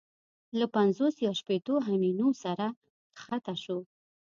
له پنځوس یا شپېتو همیونو سره کښته شو.